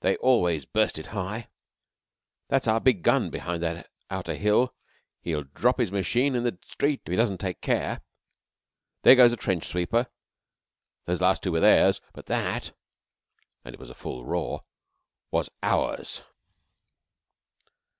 They always burst it high. That's our big gun behind that outer hill ... He'll drop his machine in the street if he doesn't take care ... There goes a trench sweeper. Those last two were theirs, but that" it was a full roar "was ours."